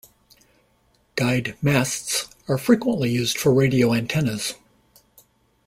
Guyed masts are frequently used for radio antennas.